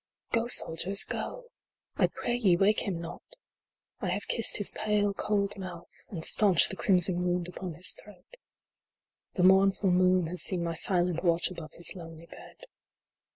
V. Go, soldiers, go ! I pray ye wake him not. I have kissed his pale, cold mouth, and staunched the crimson wound upon his throat. The mournful moon has seen my silent watch above his lonely bed.